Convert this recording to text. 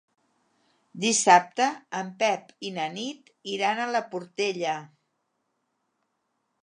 Dissabte en Pep i na Nit iran a la Portella.